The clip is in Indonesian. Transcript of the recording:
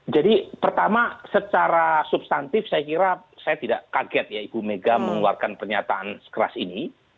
jadi pertama secara substantif saya kira saya tidak kaget ya ibu mega mengeluarkan pernyataan sekeras ini